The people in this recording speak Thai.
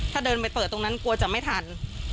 ถ้าเดินไปเปิดตรงนั้นกลัวจะไม่ทัน